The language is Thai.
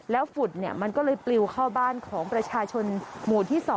ฝุ่นมันก็เลยปลิวเข้าบ้านของประชาชนหมู่ที่๒